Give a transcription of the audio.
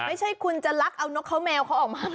ไม่ใช่คุณจะลักเอานกขาวแมวเขาออกมาไม่ได้